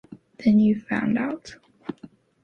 Then you find out.